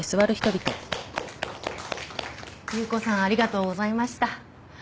優子さんありがとうございました。